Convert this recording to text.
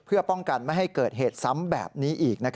เพื่อป้องกันไม่ให้เกิดเหตุซ้ำแบบนี้อีก